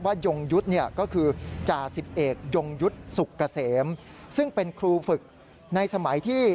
ยงยุทธ์เนี่ยก็คือจ่าสิบเอกยงยุทธ์สุกเกษมซึ่งเป็นครูฝึกในสมัยที่